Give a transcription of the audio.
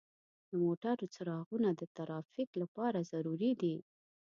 د موټرو څراغونه د ترافیک لپاره ضروري دي.